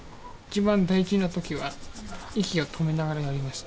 一番大事な時は息を止めながらやります。